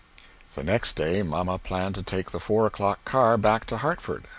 The next day mamma planned to take the four o'clock car back to Hartford.